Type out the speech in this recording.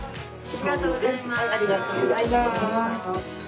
ありがとうございます。